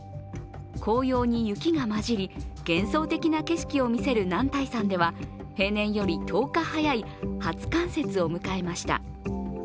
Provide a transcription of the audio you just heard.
紅葉に雪が交じり、幻想的な景色を見せる男体山では平年より１０日早い初冠雪を迎えました。